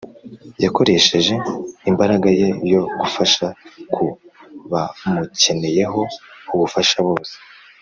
Yakoresheje imbaraga ye yo gufasha ku bamukeneyeho ubufasha bose